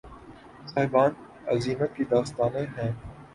صاحبان عزیمت کی داستانیں ہیں